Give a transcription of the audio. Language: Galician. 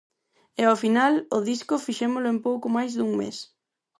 E ao final o disco fixémolo en pouco máis dun mes.